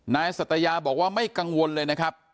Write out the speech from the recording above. นายสัตยาบอกว่าไม่กังวลเลยนะครับ